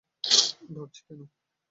ভাবছি, কেন?